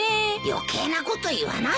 余計なこと言わないでよ。